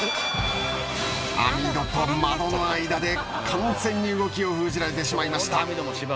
網戸と窓の間で完全に動きを封じられてしまいました！